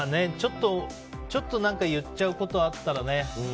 ちょっと何か言っちゃうことあったらね。